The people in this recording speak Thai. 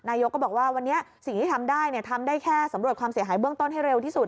นายกก็บอกว่าวันนี้สิ่งที่ทำได้ทำได้แค่สำรวจความเสียหายเบื้องต้นให้เร็วที่สุด